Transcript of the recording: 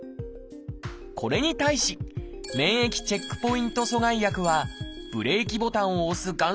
これに対し免疫チェックポイント阻害薬はブレーキボタンを押すがん